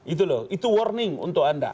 itu loh itu warning untuk anda